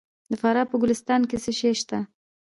د فراه په ګلستان کې څه شی شته؟